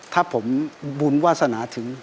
ถ้าผมบุญวาสนาถึง